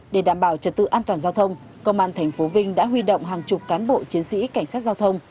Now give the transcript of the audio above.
để đảm bảo trật tự an toàn giao thông công an tp vinh đã huy động hàng chục cán bộ chiến sĩ cảnh sát giao thông